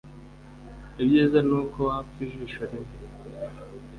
Ibyiza ni uko wapfa ijisho rimwe